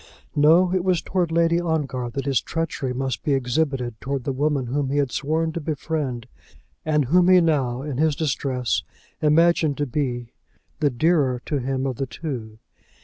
No; it was towards Lady Ongar that his treachery must be exhibited; towards the woman whom he had sworn to befriend, and whom he now, in his distress, imagined to be the dearer to him of the two.